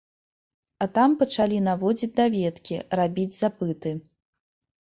А там пачалі наводзіць даведкі, рабіць запыты.